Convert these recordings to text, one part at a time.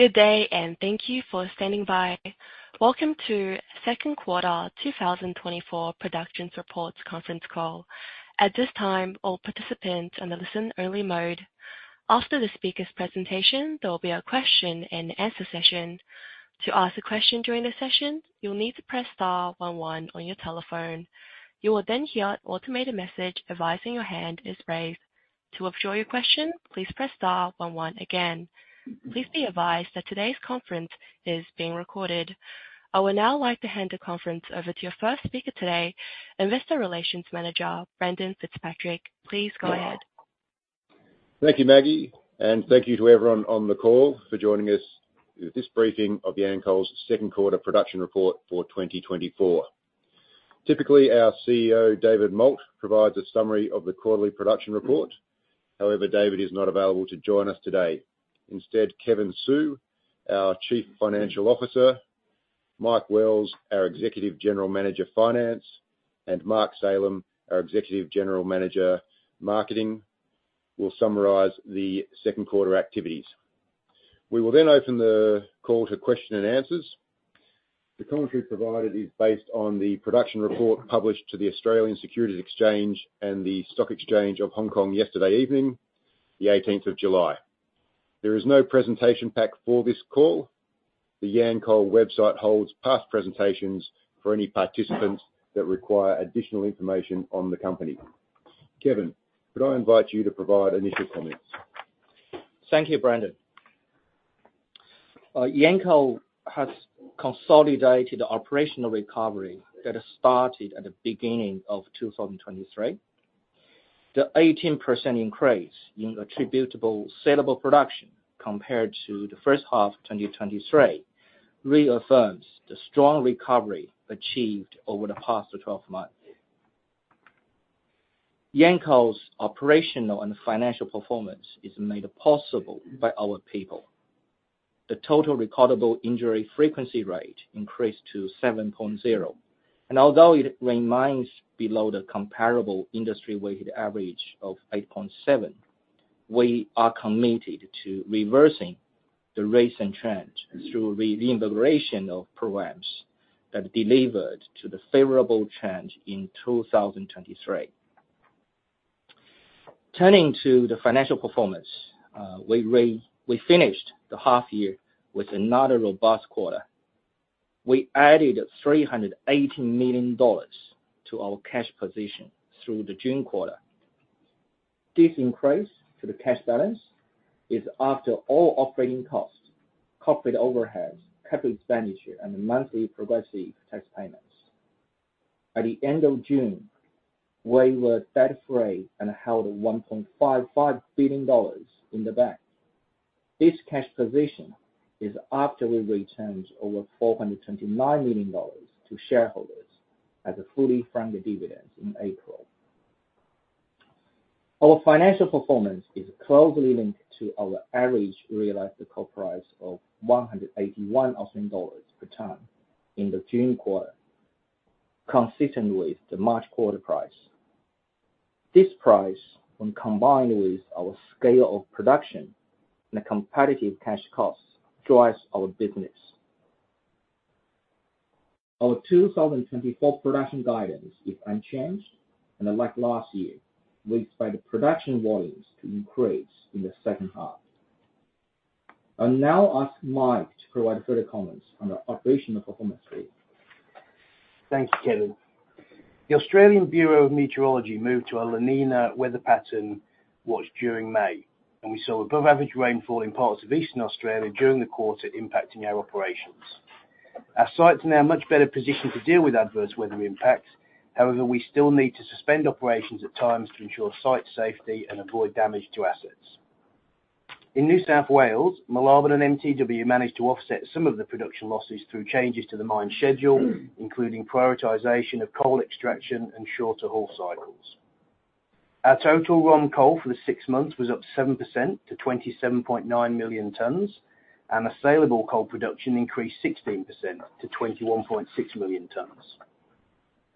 Good day, and thank you for standing by. Welcome to second quarter 2024 Production Report conference call. At this time, all participants are in listen-only mode. After the speaker's presentation, there will be a question and answer session. To ask a question during the session, you'll need to press star one one on your telephone. You will then hear an automated message advising your hand is raised. To withdraw your question, please press star one one again. Please be advised that today's conference is being recorded. I would now like to hand the conference over to your first speaker today, Investor Relations Manager, Brendan Fitzpatrick. Please go ahead. Thank you, Maggie, and thank you to everyone on the call for joining us with this briefing of Yancoal's second quarter production report for 2024. Typically, our CEO, David Moult, provides a summary of the quarterly production report. However, David is not available to join us today. Instead, Kevin Su, our Chief Financial Officer, Mike Wells, our Executive General Manager, Finance, and Mark Salem, our Executive General Manager, Marketing, will summarize the second quarter activities. We will then open the call to questions and answers. The commentary provided is based on the production report published to the Australian Securities Exchange and the Stock Exchange of Hong Kong yesterday evening, the eighteenth of July. There is no presentation pack for this call. The Yancoal website holds past presentations for any participants that require additional information on the company. Kevin, could I invite you to provide initial comments? Thank you, Brendan. Yancoal has consolidated the operational recovery that started at the beginning of 2023. The 18% increase in attributable sellable production compared to the first half of 2023 reaffirms the strong recovery achieved over the past 12 months. Yancoal's operational and financial performance is made possible by our people. The total recordable injury frequency rate increased to 7.0, and although it remains below the comparable industry weighted average of 8.7, we are committed to reversing the recent trend through the integration of programs that delivered to the favorable trend in 2023. Turning to the financial performance, we finished the half year with another robust quarter. We added 380 million dollars to our cash position through the June quarter. This increase to the cash balance is after all operating costs, corporate overhead, capital expenditure, and monthly progressive tax payments. At the end of June, we were debt-free and held 1.55 billion dollars in the bank. This cash position is after we returned over 429 million dollars to shareholders as a fully franked dividend in April. Our financial performance is closely linked to our average realized coal price of 181 dollars per ton in the June quarter, consistent with the March quarter price. This price, when combined with our scale of production and the competitive cash costs, drives our business. Our 2024 production guidance is unchanged, and like last year, we expect the production volumes to increase in the second half. I'll now ask Mike to provide further comments on the operational performance, please. Thank you, Kevin. The Australian Bureau of Meteorology moved to a La Niña weather pattern watch during May, and we saw above-average rainfall in parts of Eastern Australia during the quarter, impacting our operations. Our sites are now in a much better position to deal with adverse weather impacts. However, we still need to suspend operations at times to ensure site safety and avoid damage to assets. In New South Wales, Moolarben and MTW managed to offset some of the production losses through changes to the mine schedule, including prioritization of coal extraction and shorter haul cycles. Our total run coal for the six months was up 7% to 27.9 million tons, and the saleable coal production increased 16% to 21.6 million tons.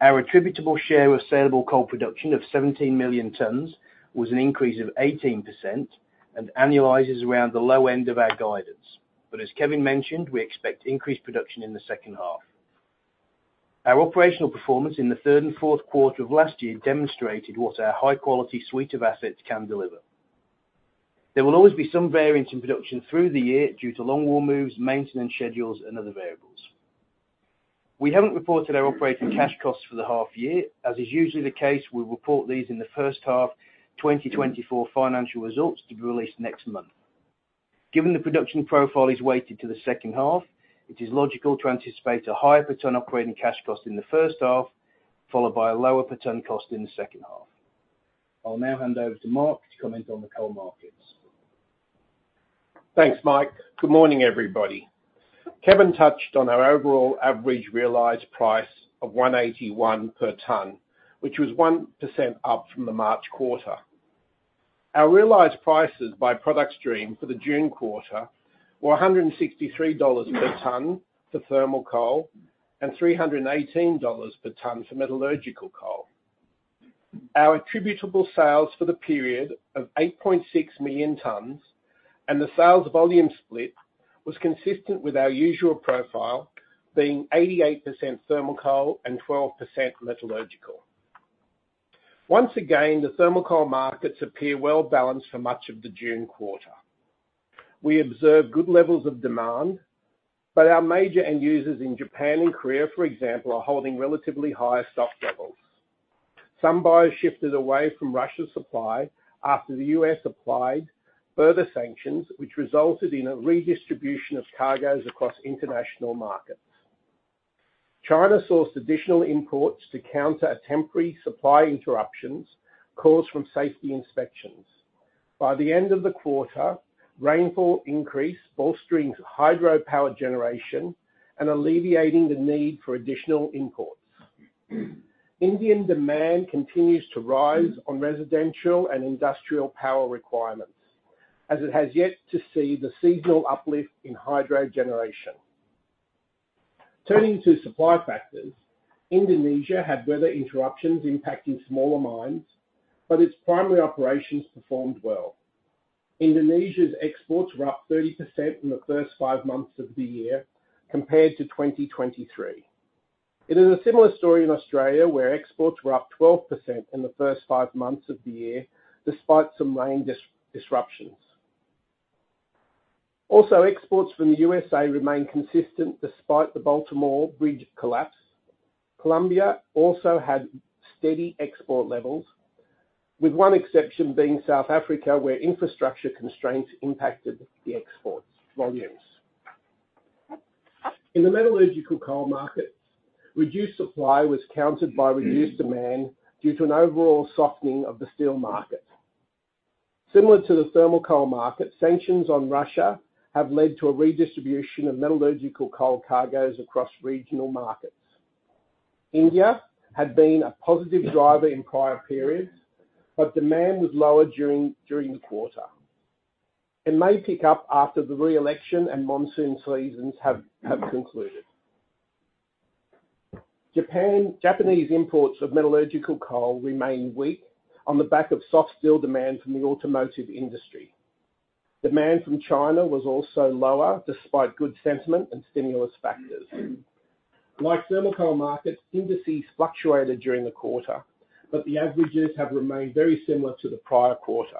Our attributable share of sellable coal production of 17 million tons was an increase of 18% and annualizes around the low end of our guidance. But as Kevin mentioned, we expect increased production in the second half. Our operational performance in the third and fourth quarter of last year demonstrated what our high-quality suite of assets can deliver. There will always be some variance in production through the year due to longwall moves, maintenance schedules, and other variables. We haven't reported our operating cash costs for the half year. As is usually the case, we'll report these in the first half 2024 financial results to be released next month. Given the production profile is weighted to the second half, it is logical to anticipate a higher per ton operating cash cost in the first half, followed by a lower per ton cost in the second half. I'll now hand over to Mark to comment on the coal markets. Thanks, Mike. Good morning, everybody. Kevin touched on our overall average realized price of $181 per ton, which was 1% up from the March quarter. Our realized prices by product stream for the June quarter were $163 per ton for thermal coal and $318 per ton for metallurgical coal.... Our attributable sales for the period of 8.6 million tons, and the sales volume split was consistent with our usual profile, being 88% thermal coal and 12% metallurgical. Once again, the thermal coal markets appear well balanced for much of the June quarter. We observed good levels of demand, but our major end users in Japan and Korea, for example, are holding relatively higher stock levels. Some buyers shifted away from Russia's supply after the US applied further sanctions, which resulted in a redistribution of cargoes across international markets. China sourced additional imports to counter a temporary supply interruptions caused from safety inspections. By the end of the quarter, rainfall increased, bolstering hydropower generation and alleviating the need for additional imports. Indian demand continues to rise on residential and industrial power requirements, as it has yet to see the seasonal uplift in hydro generation. Turning to supply factors, Indonesia had weather interruptions impacting smaller mines, but its primary operations performed well. Indonesia's exports were up 30% in the first five months of the year compared to 2023. It is a similar story in Australia, where exports were up 12% in the first five months of the year, despite some rain disruptions. Also, exports from the USA remain consistent despite the Baltimore bridge collapse. Colombia also had steady export levels, with one exception being South Africa, where infrastructure constraints impacted the export volumes. In the metallurgical coal markets, reduced supply was countered by reduced demand due to an overall softening of the steel market. Similar to the thermal coal market, sanctions on Russia have led to a redistribution of metallurgical coal cargoes across regional markets. India had been a positive driver in prior periods, but demand was lower during the quarter. It may pick up after the re-election and monsoon seasons have concluded. Japanese imports of metallurgical coal remain weak on the back of soft steel demand from the automotive industry. Demand from China was also lower, despite good sentiment and stimulus factors. Like thermal coal markets, indices fluctuated during the quarter, but the averages have remained very similar to the prior quarter.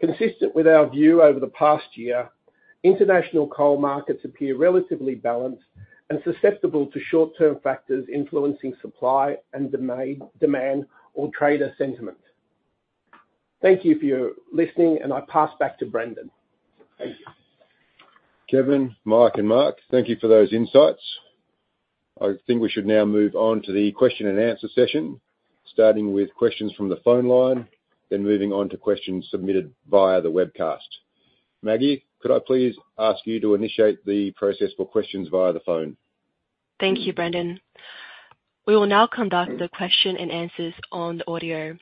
Consistent with our view over the past year, international coal markets appear relatively balanced and susceptible to short-term factors influencing supply and demand or trader sentiment. Thank you for listening, and I pass back to Brendan. Thank you. Kevin, Mike, and Mark, thank you for those insights. I think we should now move on to the question and answer session, starting with questions from the phone line, then moving on to questions submitted via the webcast. Maggie, could I please ask you to initiate the process for questions via the phone? Thank you, Brendan. We will now conduct the question and answers on the audio.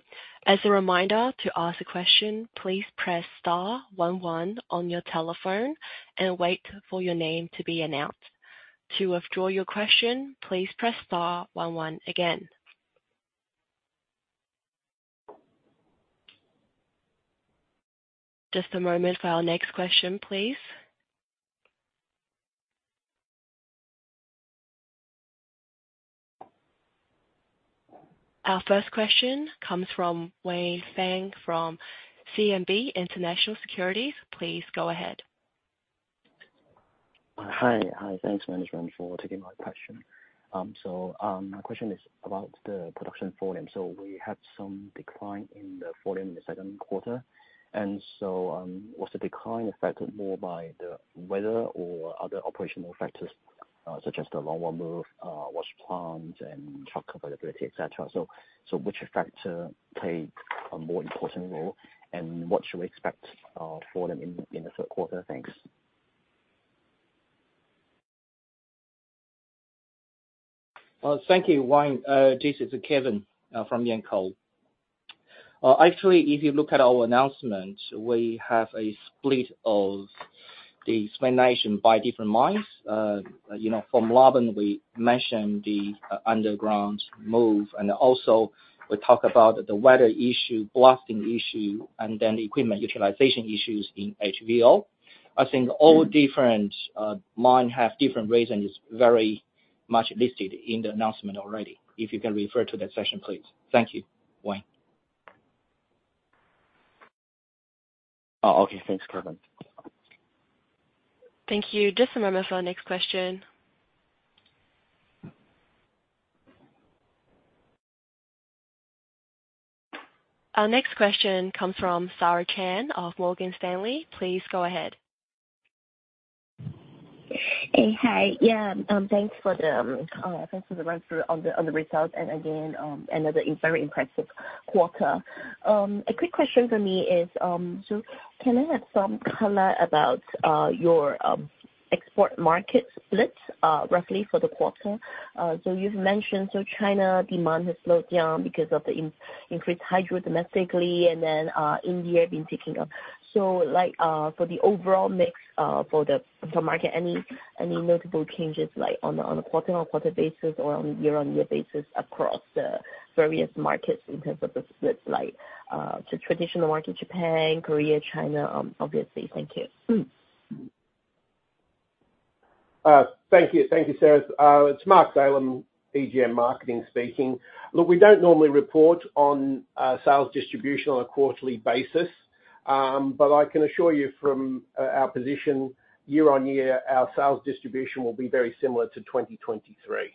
As a reminder, to ask a question, please press star one one on your telephone and wait for your name to be announced. To withdraw your question, please press star one one again. Just a moment for our next question, please. Our first question comes from Wayne Fang from CMB International Securities. Please go ahead. Hi. Hi, thanks, management, for taking my question. My question is about the production volume. We had some decline in the volume in the second quarter, and so was the decline affected more by the weather or other operational factors, such as the longwall move, wash plant and truck availability, et cetera? So, which factor played a more important role, and what should we expect for them in the third quarter? Thanks. Thank you, Wayne. This is Kevin from Yancoal. Actually, if you look at our announcement, we have a split of the explanation by different mines. You know, from Mulben, we mentioned the underground move, and also we talked about the weather issue, blasting issue, and then equipment utilization issues in HVL. I think all different mine have different reasons, very much listed in the announcement already, if you can refer to that section, please. Thank you, Wayne. Oh, okay. Thanks, Kevin. Thank you. Just a moment for our next question. Our next question comes from Sara Chan of Morgan Stanley. Please go ahead. Hey, hi. Yeah, thanks for the run-through on the results, and again, another very impressive quarter. A quick question for me is, so can I have some color about your export market split, roughly for the quarter? So you've mentioned, so China demand has slowed down because of the increased hydro domestically, and then, India have been picking up. So like, for the overall mix, for the market, any notable changes, like on a quarter-on-quarter basis or on year-on-year basis across the various markets in terms of the split, like, so traditional market, Japan, Korea, China, obviously? Thank you. Thank you. Thank you, Sarah. It's Mark Salem, EGM Marketing speaking. Look, we don't normally report on sales distribution on a quarterly basis. But I can assure you from our position, year-on-year, our sales distribution will be very similar to 2023.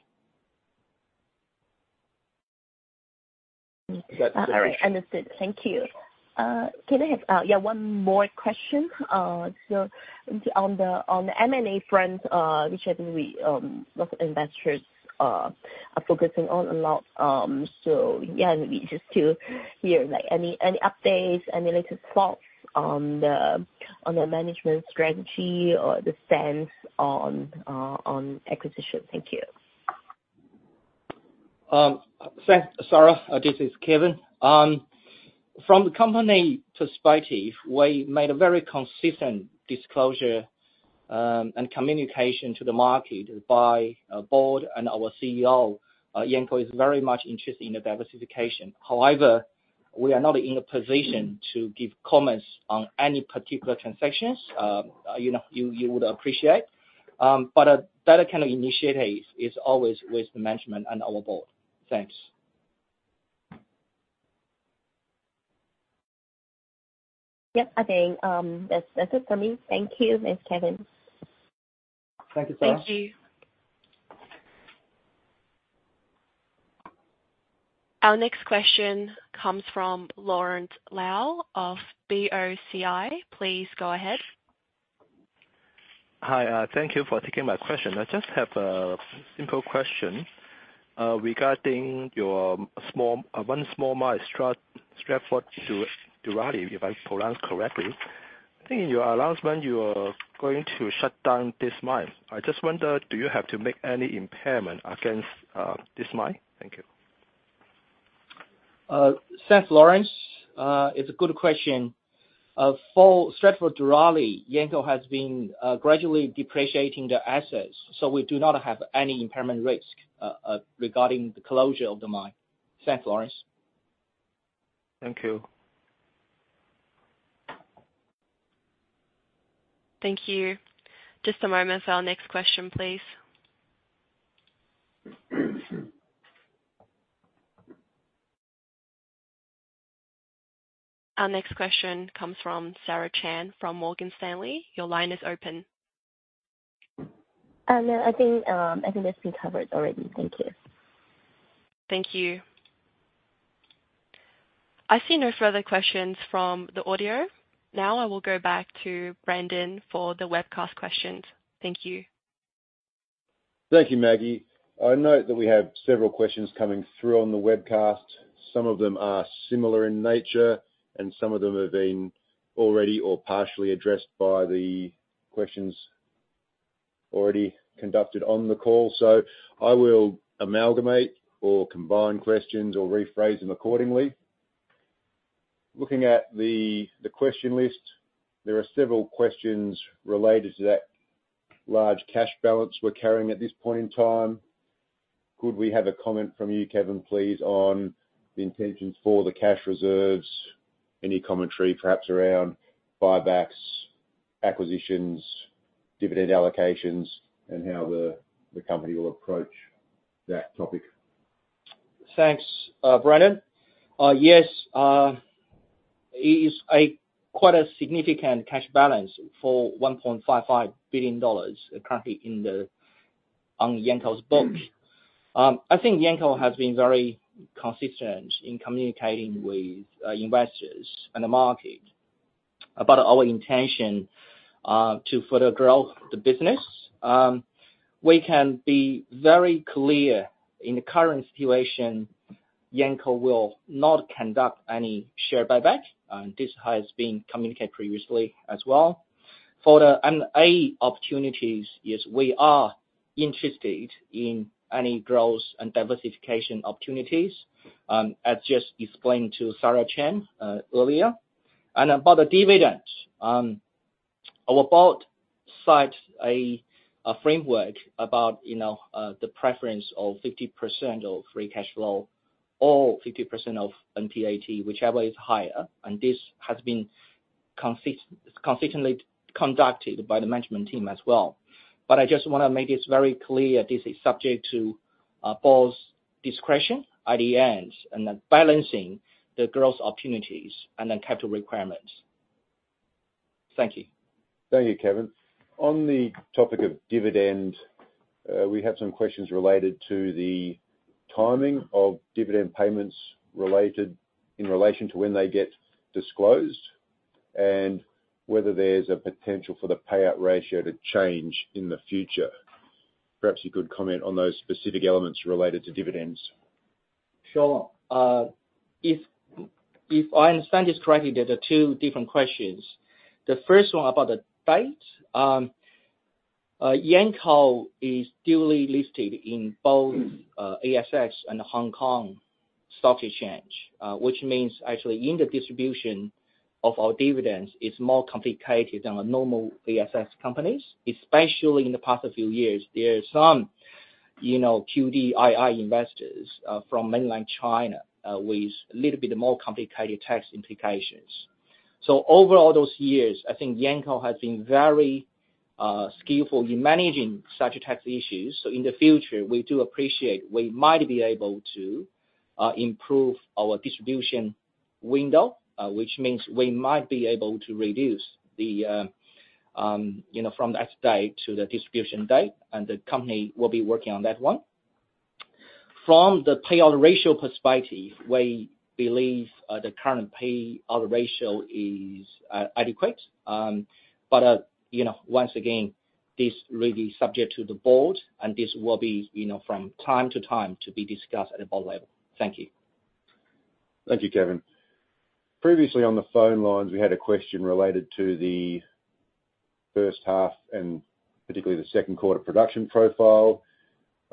All right, understood. Thank you. Can I have, yeah, one more question? So on the, on the M&A front, which I think we, local investors, are focusing on a lot, so yeah, maybe just to hear, like any, any updates, any latest thoughts on the, on the management strategy or the stance on, on acquisition? Thank you. Thanks, Sarah. This is Kevin. From the company perspective, we made a very consistent disclosure and communication to the market by our board and our CEO. Yanco is very much interested in the diversification. However, we are not in a position to give comments on any particular transactions, you know, you would appreciate. But that kind of initiative is always with the management and our board. Thanks. Yep. I think, that's, that's it for me. Thank you, both Kevin. Thank you, Sara. Thank you. Our next question comes from Lawrence Lau of BOCI. Please go ahead. Hi, thank you for taking my question. I just have a simple question regarding your small, one small mine, Stratford Duralie, if I pronounce correctly. I think in your announcement, you are going to shut down this mine. I just wonder, do you have to make any impairment against this mine? Thank you. Thanks, Lawrence. It's a good question. For Stratford Duralie, Yanco has been gradually depreciating the assets, so we do not have any impairment risk regarding the closure of the mine. Thanks, Lawrence. Thank you. Thank you. Just a moment for our next question, please. Our next question comes from Sara Chan from Morgan Stanley. Your line is open. No, I think, I think that's been covered already. Thank you. Thank you. I see no further questions from the audio. Now I will go back to Brendan for the webcast questions. Thank you. Thank you, Maggie. I note that we have several questions coming through on the webcast. Some of them are similar in nature, and some of them have been already or partially addressed by the questions already conducted on the call. So I will amalgamate or combine questions or rephrase them accordingly. Looking at the question list, there are several questions related to that large cash balance we're carrying at this point in time. Could we have a comment from you, Kevin, please, on the intentions for the cash reserves? Any commentary, perhaps around buybacks, acquisitions, dividend allocations, and how the company will approach that topic? Thanks, Brendan. Yes, it is quite a significant cash balance for 1.55 billion dollars currently in the, on Yanco's books. I think Yanco has been very consistent in communicating with investors and the market about our intention to further grow the business. We can be very clear, in the current situation, Yanco will not conduct any share buyback, and this has been communicated previously as well. For the M&A opportunities, yes, we are interested in any growth and diversification opportunities, as just explained to Sara Chan, earlier. And about the dividends, our board set a framework about, you know, the preference of 50% of free cash flow or 50% of NPAT, whichever is higher, and this has been consistently conducted by the management team as well. But I just want to make this very clear, this is subject to board's discretion at the end, and then balancing the growth opportunities and the capital requirements. Thank you. Thank you, Kevin. On the topic of dividend, we have some questions related to the timing of dividend payments related, in relation to when they get disclosed, and whether there's a potential for the payout ratio to change in the future. Perhaps you could comment on those specific elements related to dividends. Sure. If, if I understand this correctly, there are two different questions. The first one about the date. Yancoal is duly listed in both ASX and the Hong Kong Stock Exchange, which means actually in the distribution of our dividends, it's more complicated than a normal ASX companies, especially in the past few years. There are some, you know, QDII investors from mainland China with a little bit more complicated tax implications. So overall those years, I think Yancoal has been very skillful in managing such tax issues. So in the future, we do appreciate we might be able to improve our distribution window, which means we might be able to reduce the, you know, from the ex-date to the distribution date, and the company will be working on that one. From the payout ratio perspective, we believe, the current payout ratio is, adequate. But, you know, once again, this really subject to the board, and this will be, you know, from time to time to be discussed at a board level. Thank you. Thank you, Kevin. Previously, on the phone lines, we had a question related to the first half and particularly the second quarter production profile.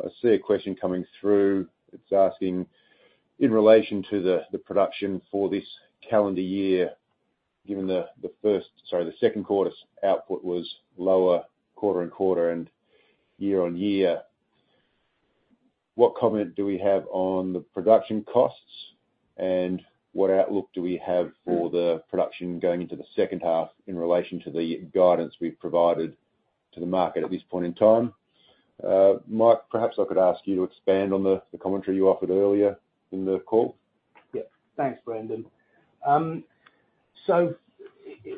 I see a question coming through. It's asking, in relation to the production for this calendar year, given the second quarter's output was lower quarter-on-quarter and year-on-year, what comment do we have on the production costs? And what outlook do we have for the production going into the second half in relation to the guidance we've provided to the market at this point in time? Mike, perhaps I could ask you to expand on the commentary you offered earlier in the call. Yeah. Thanks, Brendan. So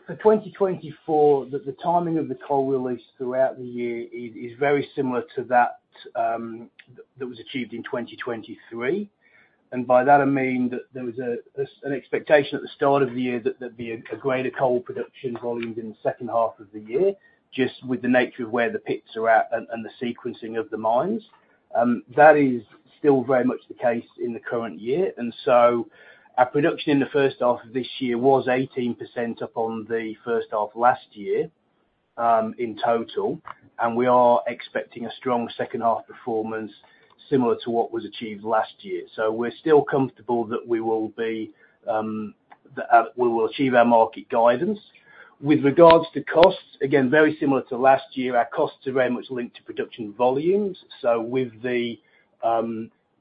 for 2024, the timing of the coal release throughout the year is very similar to that that was achieved in 2023. And by that I mean that there was an expectation at the start of the year that there'd be a greater coal production volume in the second half of the year, just with the nature of where the pits are at and the sequencing of the mines. That is still very much the case in the current year, and so our production in the first half of this year was 18% up on the first half of last year, in total. And we are expecting a strong second half performance, similar to what was achieved last year. So we're still comfortable that we will achieve our market guidance. With regards to costs, again, very similar to last year, our costs are very much linked to production volumes. So with the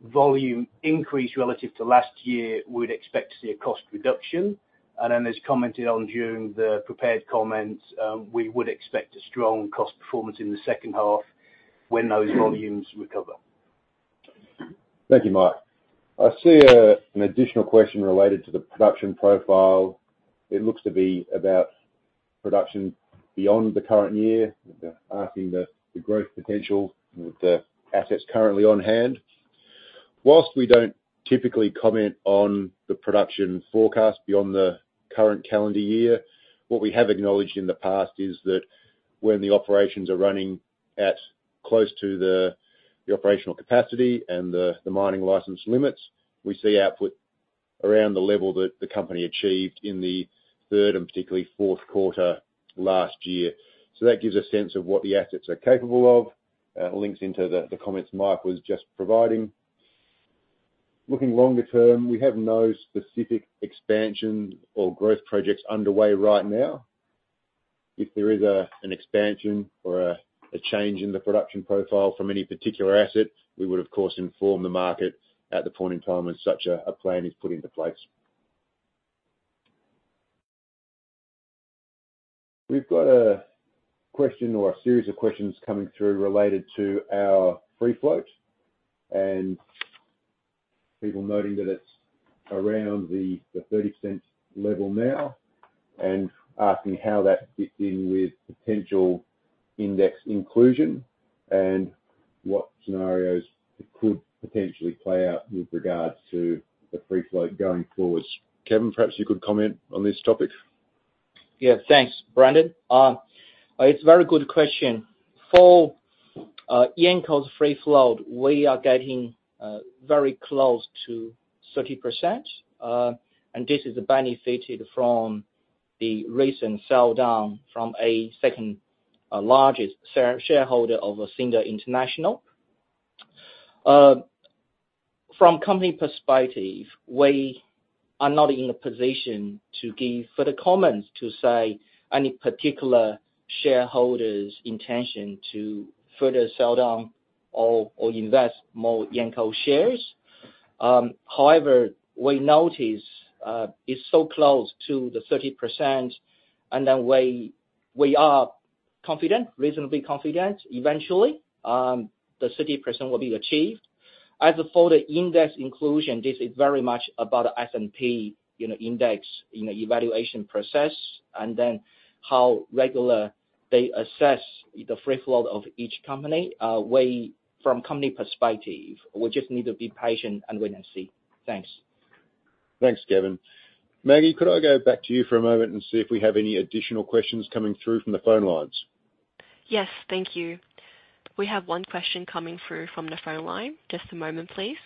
volume increase relative to last year, we'd expect to see a cost reduction. And then as commented on during the prepared comments, we would expect a strong cost performance in the second half when those volumes recover. Thank you, Mike. I see an additional question related to the production profile. It looks to be about production beyond the current year, asking the growth potential with the assets currently on hand. Whilst we don't typically comment on the production forecast beyond the current calendar year, what we have acknowledged in the past is that when the operations are running at close to the operational capacity and the mining license limits, we see output around the level that the company achieved in the third and particularly fourth quarter last year. So that gives a sense of what the assets are capable of. Links into the comments Mike was just providing. Looking longer term, we have no specific expansion or growth projects underway right now. If there is an expansion or a change in the production profile from any particular asset, we would, of course, inform the market at the point in time when such a plan is put into place. We've got a question or a series of questions coming through related to our free float, and people noting that it's around the 30-cent level now, and asking how that fits in with potential index inclusion, and what scenarios could potentially play out with regards to the free float going forward. Kevin, perhaps you could comment on this topic? Yeah, thanks, Brendan. It's a very good question. For Yancoal's free float, we are getting very close to 30%, and this is benefited from the recent sell down from a second largest shareholder of C International. From company perspective, we are not in a position to give further comments to say any particular shareholder's intention to further sell down or invest more Yancoal shares. However, we notice it's so close to the 30%, and then we are confident, reasonably confident, eventually the 30% will be achieved. As for the index inclusion, this is very much about S&P, you know, index, you know, evaluation process, and then how regular they assess the free float of each company. From company perspective, we just need to be patient and wait and see. Thanks. Thanks, Kevin. Maggie, could I go back to you for a moment and see if we have any additional questions coming through from the phone lines? Yes, thank you. We have one question coming through from the phone line. Just a moment, please....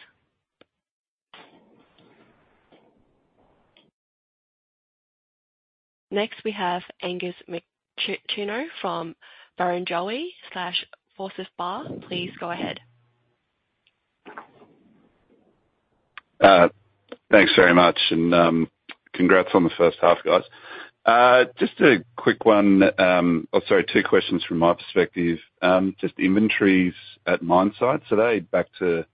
Next, we have Angus McGeoch from Barrenjoey / Forsyth Barr. Please go ahead. Thanks very much, and congrats on the first half, guys. Just a quick one, or sorry, two questions from my perspective. Just inventories at mine site, so are they back to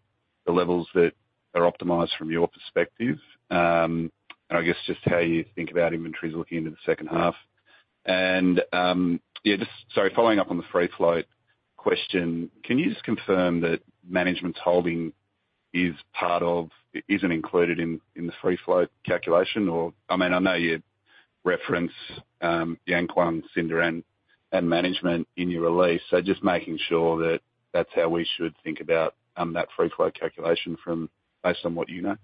the levels that are optimized from your perspective? And I guess just how you think about inventories looking into the second half. And, sorry, following up on the free float question, can you just confirm that management's holding is part of, isn't included in the free float calculation? Or, I mean, I know you reference the and Cinda and management in your release, so just making sure that that's how we should think about that free float calculation based on what you know.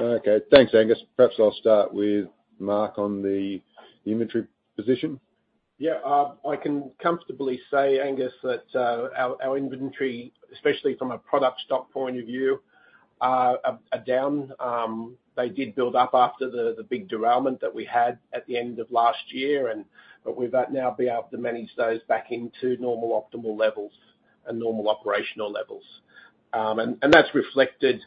Okay. Thanks, Angus. Perhaps I'll start with Mark on the inventory position. Yeah. I can comfortably say, Angus, that our inventory, especially from a product stock point of view, are down. They did build up after the big derailment that we had at the end of last year, and but we've now been able to manage those back into normal, optimal levels and normal operational levels. And that's reflected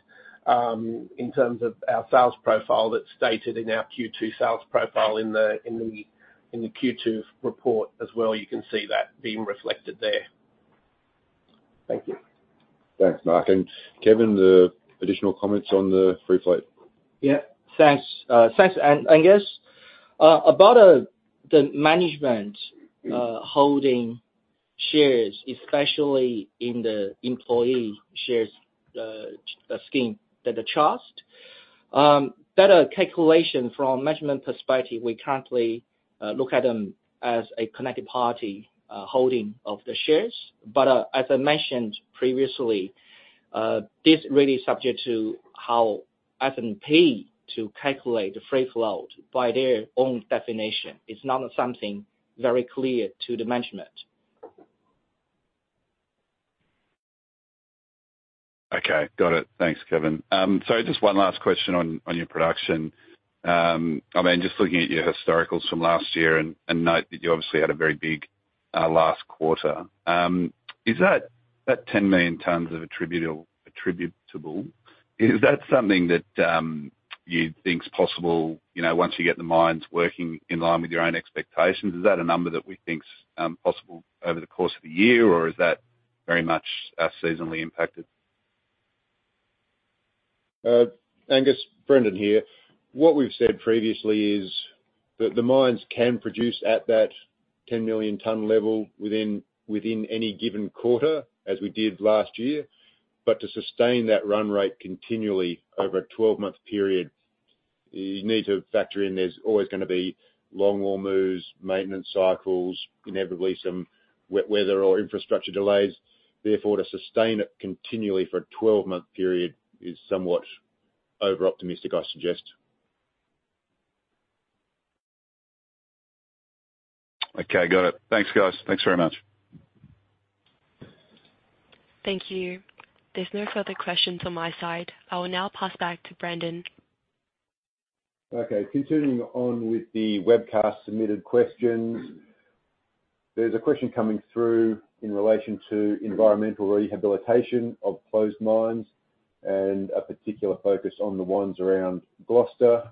in terms of our sales profile that's stated in our Q2 sales profile in the Q2 report as well. You can see that being reflected there. Thank you. Thanks, Mark and Kevin, the additional comments on the free float. Yeah. Thanks. Thanks, Angus. About the management holding shares, especially in the employee shares scheme that the trust better calculation from management perspective, we currently look at them as a connected party holding of the shares. But as I mentioned previously, this really subject to how S&P to calculate the free float by their own definition. It's not something very clear to the management. Okay, got it. Thanks, Kevin. Sorry, just one last question on your production. I mean, just looking at your historicals from last year, and note that you obviously had a very big last quarter, is that 10 million tons of attributable, attributable? Is that something that you think is possible, you know, once you get the mines working in line with your own expectations, is that a number that we think is possible over the course of the year, or is that very much seasonally impacted? Angus, Brendan here. What we've said previously is that the mines can produce at that 10 million ton level within any given quarter, as we did last year. But to sustain that run rate continually over a 12-month period, you need to factor in, there's always gonna be longwall moves, maintenance cycles, inevitably some weather or infrastructure delays. Therefore, to sustain it continually for a 12-month period is somewhat overoptimistic, I suggest. Okay, got it. Thanks, guys. Thanks very much. Thank you. There's no further questions on my side. I will now pass back to Brendan. Okay, continuing on with the webcast submitted questions, there's a question coming through in relation to environmental rehabilitation of closed mines and a particular focus on the ones around Gloucester.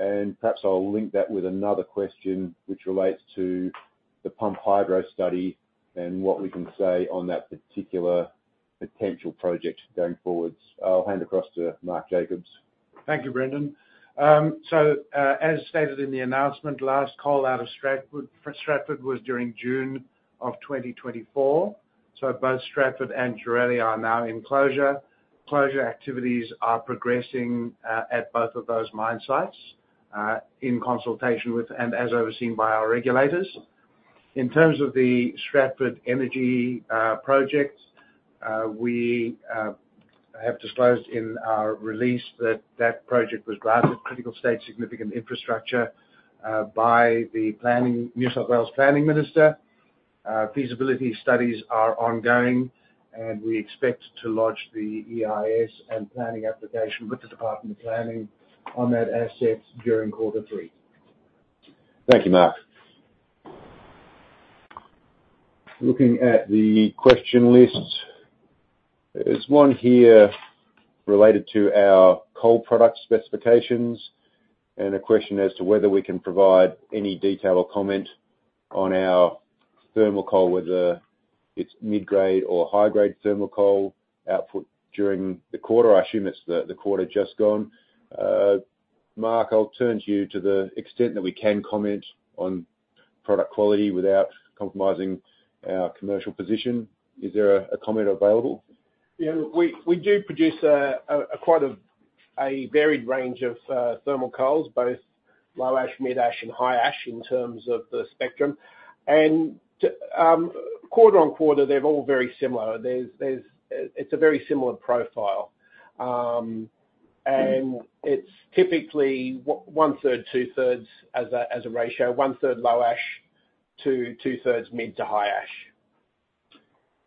And perhaps I'll link that with another question, which relates to the pump hydro study and what we can say on that particular potential project going forward. I'll hand across to Mark Jacobs. Thank you, Brendan. So, as stated in the announcement, last coal out of Stratford, Stratford was during June of 2024, so both Stratford and Duralie are now in closure. Closure activities are progressing at both of those mine sites in consultation with, and as overseen by our regulators. In terms of the Stratford Energy project, we have disclosed in our release that that project was granted Critical State Significant Infrastructure by the New South Wales Planning Minister. Feasibility studies are ongoing, and we expect to lodge the EIS and planning application with the Department of Planning on that asset during quarter three. Thank you, Mark. Looking at the question list, there's one here related to our coal product specifications, and a question as to whether we can provide any detail or comment on our thermal coal, whether it's mid-grade or high-grade thermal coal output during the quarter. I assume it's the quarter just gone. Mark, I'll turn to you. To the extent that we can comment on product quality without compromising our commercial position, is there a comment available? Yeah, we do produce quite a varied range of thermal coals, both low ash, mid ash, and high ash in terms of the spectrum. And too, quarter-on-quarter, they're all very similar. It's a very similar profile. And it's typically 1/3, 2/3 as a ratio, 1/3 low ash to 2/3 mid to high ash....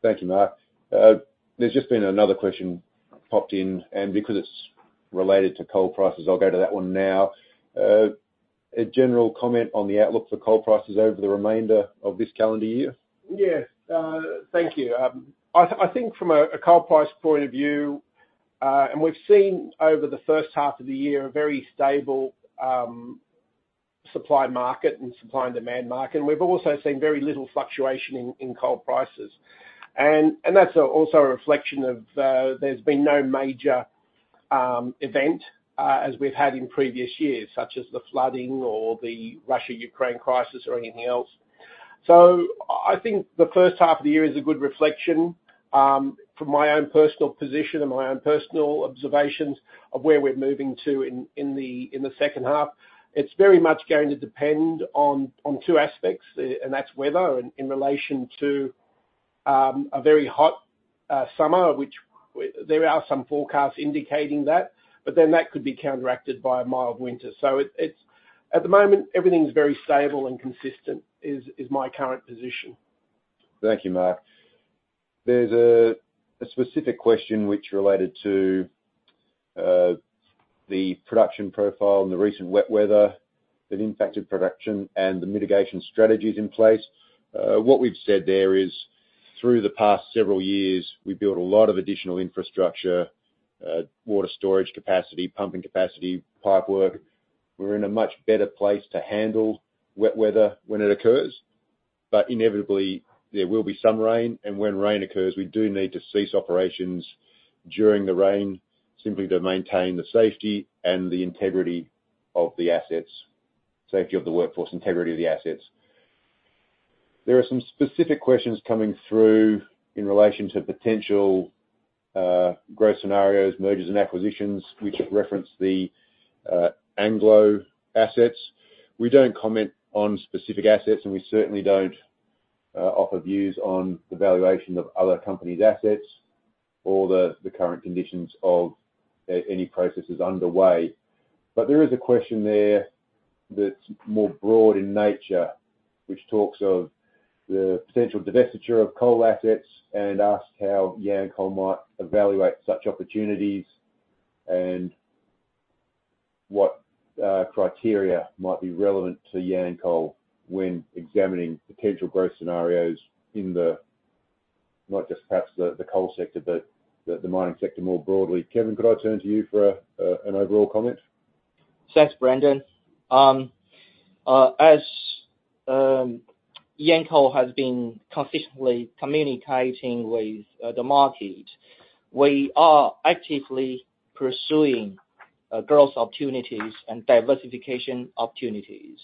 Thank you, Mark. There's just been another question popped in, and because it's related to coal prices, I'll go to that one now. A general comment on the outlook for coal prices over the remainder of this calendar year? Yes, thank you. I think from a coal price point of view, and we've seen over the first half of the year, a very stable supply market and supply and demand market. We've also seen very little fluctuation in coal prices. And that's also a reflection of, there's been no major event as we've had in previous years, such as the flooding or the Russia-Ukraine crisis or anything else. So I think the first half of the year is a good reflection. From my own personal position and my own personal observations of where we're moving to in the second half, it's very much going to depend on two aspects, and that's weather in relation to a very hot summer, which there are some forecasts indicating that, but then that could be counteracted by a mild winter. So it, it's... At the moment, everything's very stable and consistent, is my current position. Thank you, Mark. There's a specific question which related to the production profile and the recent wet weather that impacted production and the mitigation strategies in place. What we've said there is, through the past several years, we've built a lot of additional infrastructure, water storage capacity, pumping capacity, pipework. We're in a much better place to handle wet weather when it occurs. But inevitably, there will be some rain, and when rain occurs, we do need to cease operations during the rain, simply to maintain the safety and the integrity of the assets, safety of the workforce, integrity of the assets. There are some specific questions coming through in relation to potential growth scenarios, mergers, and acquisitions, which reference the Anglo assets. We don't comment on specific assets, and we certainly don't offer views on the valuation of other companies' assets or the current conditions of any processes underway. But there is a question there that's more broad in nature, which talks of the potential divestiture of coal assets and asks how Yancoal might evaluate such opportunities, and what criteria might be relevant to Yancoal when examining potential growth scenarios in the not just perhaps the coal sector, but the mining sector more broadly. Kevin, could I turn to you for an overall comment? Thanks, Brendan. As Yancoal has been consistently communicating with the market, we are actively pursuing growth opportunities and diversification opportunities.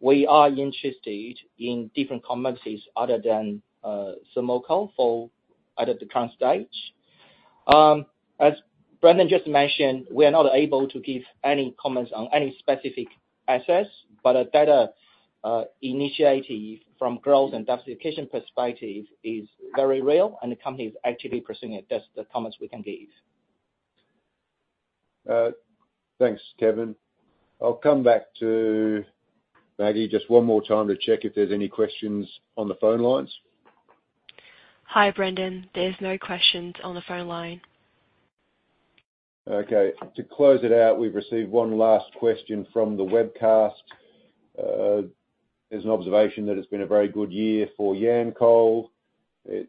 We are interested in different commodities other than thermal coal for at the current stage. As Brendan just mentioned, we are not able to give any comments on any specific assets, but a better initiative from growth and diversification perspective is very real, and the company is actively pursuing it. That's the comments we can give. Thanks, Kevin. I'll come back to Maggie just one more time to check if there's any questions on the phone lines. Hi, Brendan. There's no questions on the phone line. Okay, to close it out, we've received one last question from the webcast. There's an observation that it's been a very good year for Yancoal. The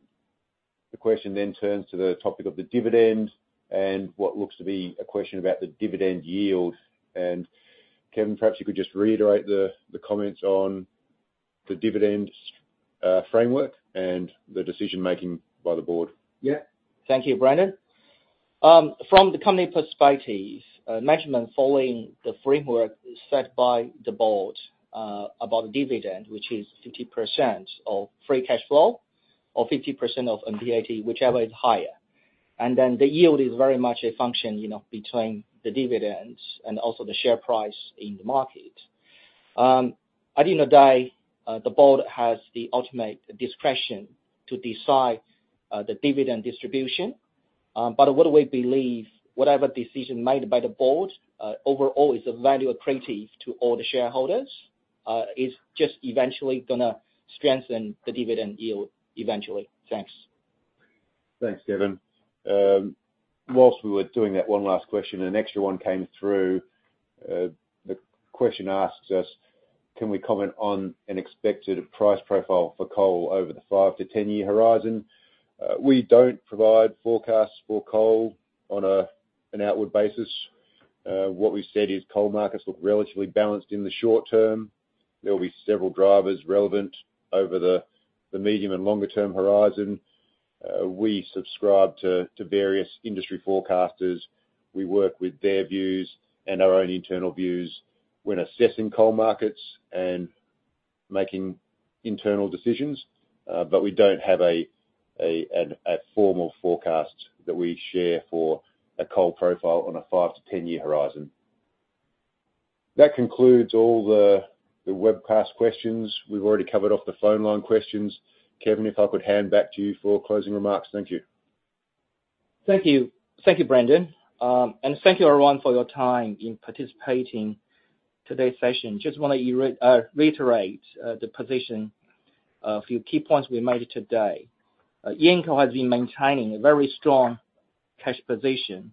question then turns to the topic of the dividend and what looks to be a question about the dividend yield. And Kevin, perhaps you could just reiterate the comments on the dividend framework and the decision-making by the board. Yeah. Thank you, Brendan. From the company perspectives, management, following the framework set by the board, about dividend, which is 50% of free cash flow or 50% of NPAT, whichever is higher. And then the yield is very much a function, you know, between the dividends and also the share price in the market. At the end of day, the board has the ultimate discretion to decide, the dividend distribution. But what do we believe, whatever decision made by the board, overall, is a value accretive to all the shareholders, is just eventually gonna strengthen the dividend yield eventually. Thanks. Thanks, Kevin. Whilst we were doing that one last question, an extra one came through. The question asks us, "Can we comment on an expected price profile for coal over the 5-10-year horizon?" We don't provide forecasts for coal on an outward basis. What we've said is coal markets look relatively balanced in the short term. There will be several drivers relevant over the medium and longer-term horizon. We subscribe to various industry forecasters. We work with their views and our own internal views when assessing coal markets and making internal decisions, but we don't have a formal forecast that we share for a coal profile on a 5-10-year horizon. That concludes all the webcast questions. We've already covered off the phone line questions. Kevin, if I could hand back to you for closing remarks. Thank you. Thank you. Thank you, Brendan. And thank you everyone for your time in participating today's session. Just want to reiterate the position, a few key points we made today. Yancoal has been maintaining a very strong cash position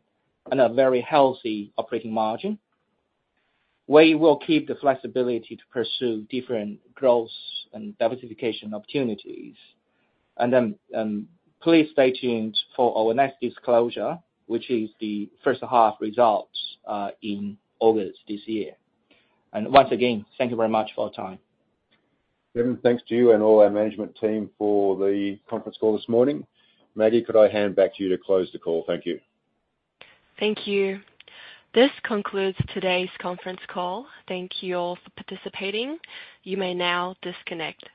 and a very healthy operating margin. We will keep the flexibility to pursue different growth and diversification opportunities. And then, please stay tuned for our next disclosure, which is the first half results in August this year. And once again, thank you very much for your time. Kevin, thanks to you and all our management team for the conference call this morning. Maggie, could I hand back to you to close the call? Thank you. Thank you. This concludes today's conference call. Thank you all for participating. You may now disconnect.